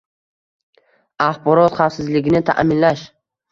axborot xavfsizligini ta’minlash.